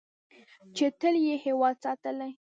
چې تل یې هیواد ساتلی.